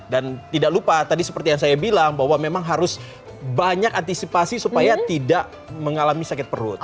dan tidak lupa tadi seperti yang saya bilang bahwa memang harus banyak antisipasi supaya tidak mengalami sakit perut